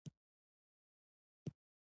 غوږونه له درناوي سره اوري